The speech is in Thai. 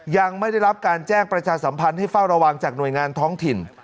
ยังไม่ได้รับการแจ้งประชาสัมพันธ์ให้เฝ้าระวังจากหน่วยงานท้องถิ่น